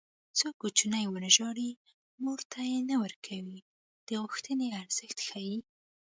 څو کوچنی ونه ژاړي مور تی نه ورکوي د غوښتنې ارزښت ښيي